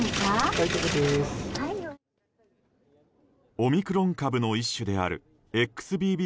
オミクロン株の一種であるＸＢＢ